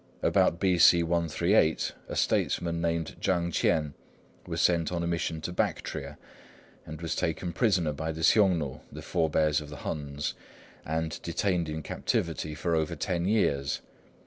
About B.C. 138 a statesman named Chang Ch'ien was sent on a mission to Bactria, but was taken prisoner by the Hsiung nu, the forebears of the Huns, and detained in captivity for over ten years.